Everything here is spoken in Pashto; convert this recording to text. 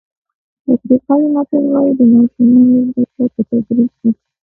افریقایي متل وایي د ماشومانو زده کړه په تدریج ده.